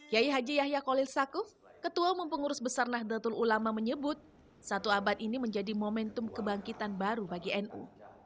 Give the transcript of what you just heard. yayi haji yahya kolilsakuh ketua mempengurus besar nahdlatul ulama menyebut satu abad ini menjadi momentum kebangkitan baru bagi nu